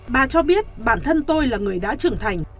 bà cho biết bản thân tôi là người đã trưởng thành